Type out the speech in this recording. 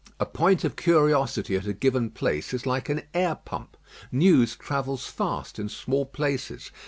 A point of curiosity at a given place is like an air pump. News travel fast in small places.